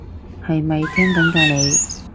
係咪聽緊㗎你？